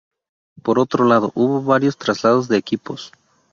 Por otro lado, hubo varios traslados de equipos.